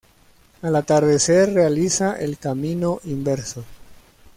Al atardecer realiza el camino inverso.